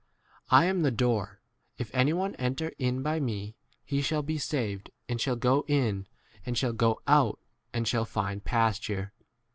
I • am the door : if anyone enter in by me, he shall be saved, and shall go in and shall 10 go out and shall find pasture.